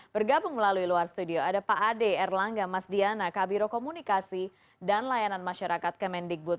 bergabung melalui luar studio ada pak ade erlangga mas diana kabiro komunikasi dan layanan masyarakat kemendikbud